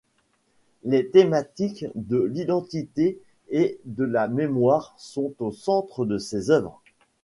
Les thématiques de l'identité et de la mémoire sont au centre de ses œuvres.